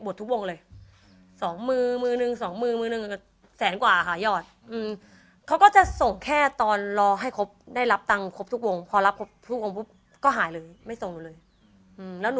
บอกว่านี่มีคนบอกว่านี่มีคนบอกว่านี่มีคนบอกว่านี่มีคนบอกว่านี่มีคนบอกว่านี่มีคน